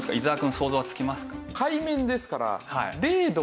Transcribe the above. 想像つきますか？